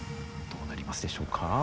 どうなりますでしょうか。